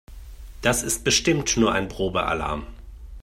Das ist bestimmt nur ein Probealarm.